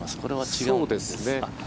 違うんですね。